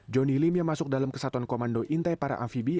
johnny lim yang masuk dalam kesatuan komando intai para amfibi